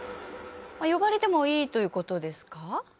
呼ばれてもいいということですか？